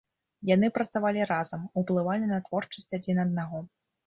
Яны працавалі разам, уплывалі на творчасць адзін аднаго.